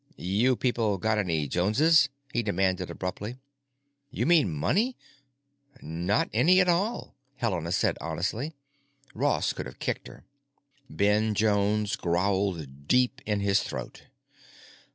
"You people got any Joneses?" he demanded abruptly. "You mean money? Not any at all," Helena said honestly. Ross could have kicked her. Ben Jones growled deep in his throat.